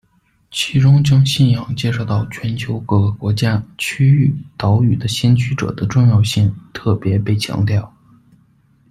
其中，将信仰介绍到全球各个国家、区域、岛屿的先驱者的重要性特别被强调。